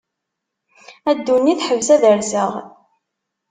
A ddunit ḥbes ad rseɣ.